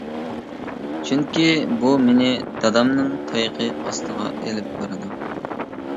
چۈنكى بۇ مېنى دادامنىڭ تايىقى ئاستىغا ئېلىپ بارىدۇ.